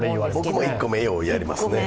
僕も１個目、ようやりますね。